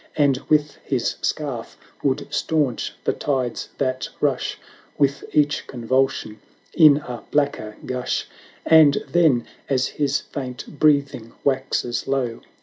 And with his scarf would staunch the tides that rush, With each convulsion, in a blacker gush; And then, as his faint breathing waxes low.